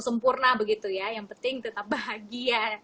sempurna begitu ya yang penting tetap bahagia